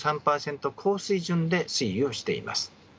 高水準で推移をしています。